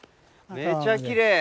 めちゃきれい。